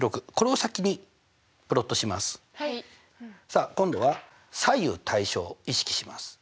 さあ今度は左右対称を意識します。